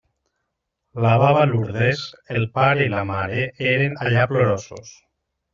La baba Lourdes, el pare i la mare eren allà plorosos.